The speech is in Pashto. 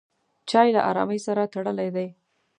چای له ارامۍ سره تړلی دی.